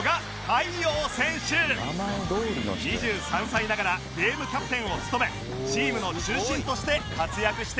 ２３歳ながらゲームキャプテンを務めチームの中心として活躍しています